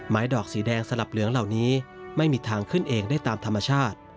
ดอกสีแดงสลับเหลืองเหล่านี้ไม่มีทางขึ้นเองได้ตามธรรมชาติ